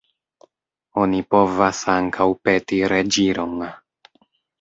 Oni povas ankaŭ peti reĝiron.